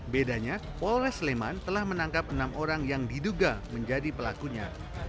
bedanya polres sleman telah menangkap enam orang yang diduga menjadi pelakunya